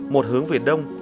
một hướng về đông